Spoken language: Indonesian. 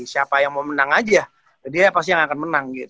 siapa yang mau menang aja dia pasti yang akan menang